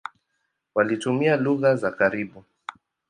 Walitumia lugha za karibu.